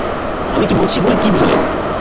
আমি কি বলছি বলে কি বুঝালে?